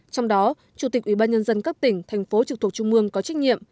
trong đó chủ tịch ủy ban nhân dân các tỉnh thành phố trực thuộc trung mương có trách nhiệm